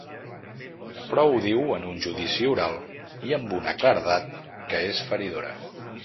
Però ho diu en un judici oral i amb una claredat que és feridora.